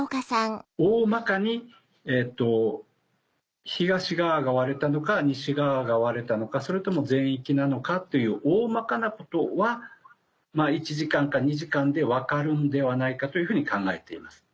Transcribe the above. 大まかに東側が割れたのか西側が割れたのかそれとも全域なのかっていう大まかなことは１時間か２時間で分かるんではないかというふうに考えています。